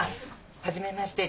はじめまして。